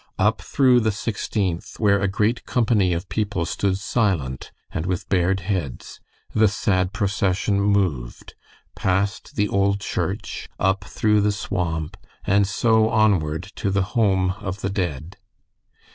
Up through the Sixteenth, where a great company of people stood silent and with bared heads, the sad procession moved, past the old church, up through the swamp, and so onward to the home of the dead.